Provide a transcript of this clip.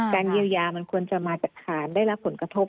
การเยียวยามันควรจะมาจัดขารได้รักผลกระทบ